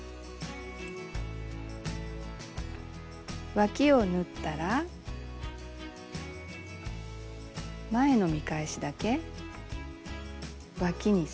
わきを縫ったら前の見返しだけわきにそろえて折ります。